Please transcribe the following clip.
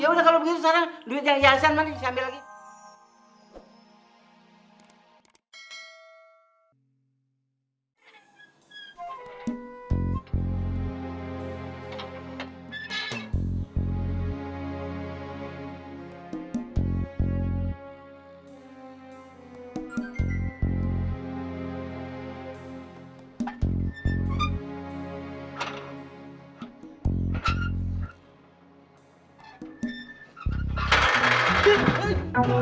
ya udah kalau begitu sekarang